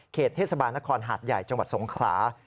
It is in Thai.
เทศบาลนครหาดใหญ่จังหวัดสงขลา